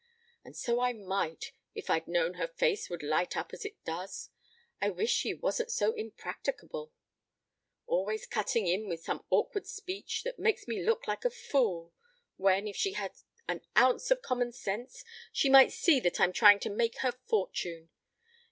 And so I might, if I'd known her face would light up as it does. I wish she wasn't so impracticable always cutting in with some awkward speech, that makes me look like a fool, when, if she had an ounce of common sense, she might see that I'm trying to make her fortune.